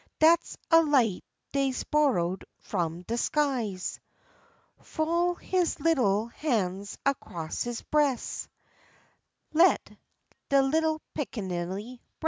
Dat's a light dey's borrow'd f'om de skies; Fol' his little han's across his breas', Let de little pickaninny res'.